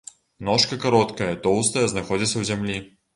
Ножка кароткая, тоўстая, знаходзіцца ў зямлі.